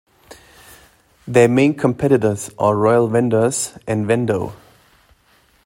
Their main competitors are Royal Vendors and Vendo.